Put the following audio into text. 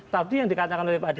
tadi yang dikatakan oleh pak adi